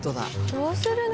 どうするの？